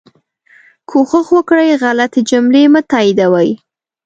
کوښښ وکړئ غلطي جملې مه تائیدوئ